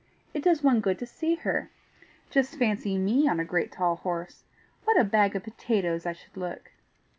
It does one good to see her. Just fancy me on a great tall horse! What a bag of potatoes I should look!"